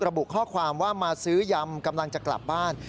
ระบุข้อความว่ามาซื้อยำกำลังจะกลับบ้าน